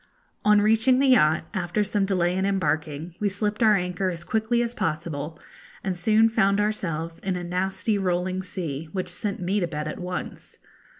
] On reaching the yacht, after some delay in embarking, we slipped our anchor as quickly as possible, and soon found ourselves in a nasty rolling sea, which sent me to bed at once.